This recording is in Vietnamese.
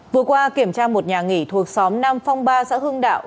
vừa qua kiểm tra một nhà nghỉ thuộc xóm nam phong ba xã hưng đạo